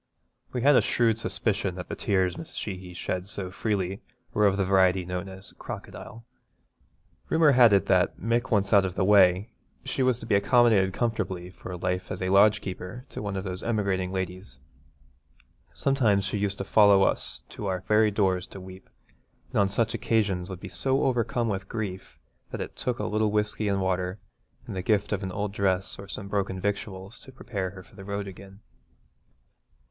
We had a shrewd suspicion that the tears Mrs. Sheehy shed so freely were of the variety known as crocodile. Rumour had it that Mick once out of the way she was to be accommodated comfortably for life as a lodgekeeper to one of those emigrating ladies. Sometimes she used to follow us to our very doors to weep, and on such occasions would be so overcome with grief that it took a little whisky and water and the gift of an old dress or some broken victuals to prepare her for the road again.